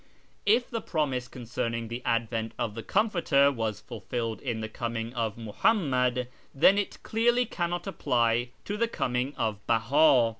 If the promise concerning the advent of the Comforter was fulfilled in the coming of Muhammad, then it clearly cannot apply to the coming of Beha.